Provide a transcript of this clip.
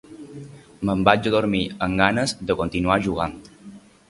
Me'n vaig a dormir amb ganes de continuar jugant.